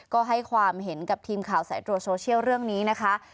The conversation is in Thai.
ก็ให้ความเห็นกับทีมข่าวสายตรวจโซเชียลเรื่องนี้นะคะ